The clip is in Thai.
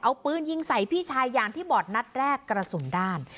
เอาปืนยิงใส่พี่ชายอย่างที่บอร์ดนัดแรกกระสุนด้าน